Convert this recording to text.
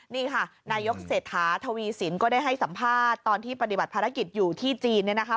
นี่ค่ะนายกเศรษฐาทวีสินก็ได้ให้สัมภาษณ์ตอนที่ปฏิบัติภารกิจอยู่ที่จีน